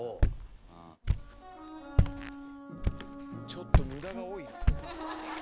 ちょっと無駄が多いな。